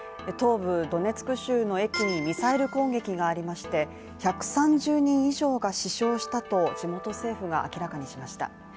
東部ドネツク州の駅にミサイル攻撃がありまして１３０人以上が死傷したと地元政府が明らかにしました。